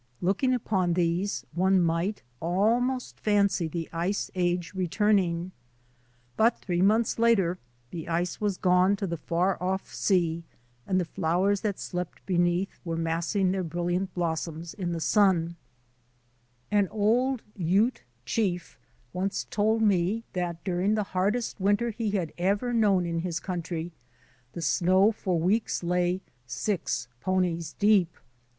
Looking upon these one might almost fancy the Ice Age returning. But three months later the ice was gone to the far off sea, and the flowers that slept beneath were mass ing their brilliant blossoms in the sun. 60 THE ADVENTURES OF A NATURE GUIDE An old Ute chief once told me that during the hardest winter he had ever known in his country the snow for weeks lay "six ponies deep."